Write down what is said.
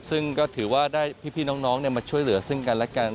ซึ่งก็ถือว่าได้พี่น้องมาช่วยเหลือซึ่งกันและกัน